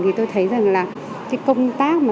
thì tôi thấy rằng là công tác